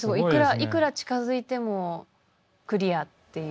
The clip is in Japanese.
いくら近づいてもクリアっていう。